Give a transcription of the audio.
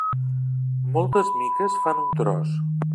Moltes miques fan un tros.